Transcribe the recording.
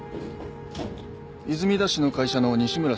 泉田氏の会社の西村専務です。